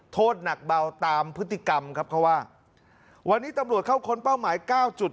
โทษหนักเบาตามพฤติกรรมครับเขาว่าวันนี้ตำรวจเข้าค้นเป้าหมาย๙จุด